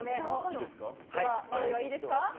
用意はいいですか。